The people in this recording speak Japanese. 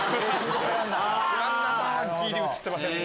ギリ写ってませんね